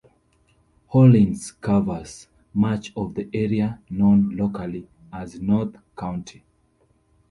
Hollins covers much of the area known locally as "North County".